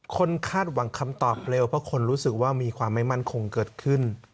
คาดหวังคำตอบเร็วเพราะคนรู้สึกว่ามีความไม่มั่นคงเกิดขึ้น